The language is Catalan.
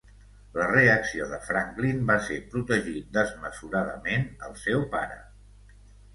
La reacció de Franklin va ser protegir desmesuradament el seu pare.